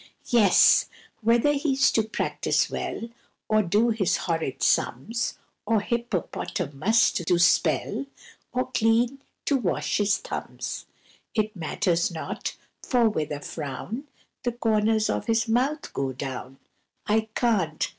Yes! whether he's to practise well, Or do his horrid sums, Or "Hippopotamus" to spell, Or clean to wash his thumbs: It matters not, for with a frown The corners of his mouth go down,— "I can't!